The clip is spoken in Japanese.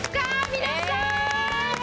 皆さん！